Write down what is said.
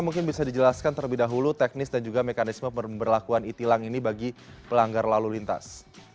mungkin bisa dijelaskan terlebih dahulu teknis dan juga mekanisme pemberlakuan e tilang ini bagi pelanggar lalu lintas